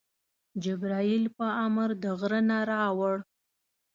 جبریل په امر د غره نه راوړ.